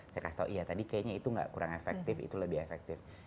saya kasih tau iya tadi kayaknya itu nggak kurang efektif itu lebih efektif